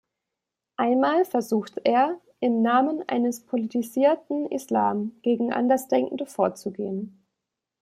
Einmal versucht er, im Namen eines politisierten Islam gegen Andersdenkende vorzugehen.